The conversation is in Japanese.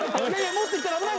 もっと行ったら危ない！